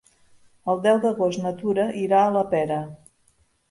El deu d'agost na Tura irà a la Pera.